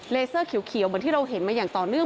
เสื้อเขียวเหมือนที่เราเห็นมาอย่างต่อเนื่อง